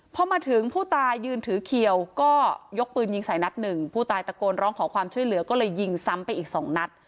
พอมาถึงผู้ตายยืนถือเขียวก็ยกปืนยิงใส่นัดหนึ่งผู้ตายตะโกนร้องขอความช่วยเหลือก็เลยยิงซ้ำไปอีกสองนัด